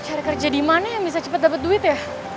aduh cari kerja dimana yang bisa cepet dapet duit ya